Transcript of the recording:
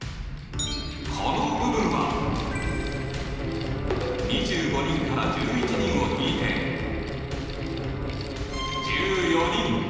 この部分は２５人から１１人を引いて１４人。